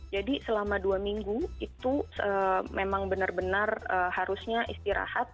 jadi selama dua minggu itu memang benar benar harusnya istirahat